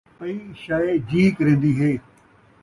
پئی شئے جی کریندی ہے